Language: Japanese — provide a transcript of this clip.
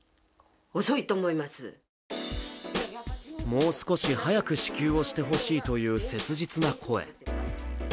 もう少し早く支給をしてほしいという切実な声。